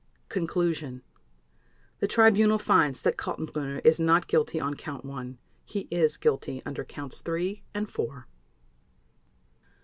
Conclusion. The Tribunal finds that Kaltenbrunner is not guilty on Count One. He is guilty under Counts Three and Four.